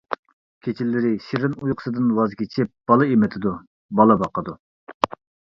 كېچىلىرى شېرىن ئۇيقۇسىدىن ۋاز كېچىپ بالا ئېمىتىدۇ، بالا باقىدۇ.